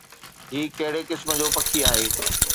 هي ڪهڙي قسم جو پکي آهي؟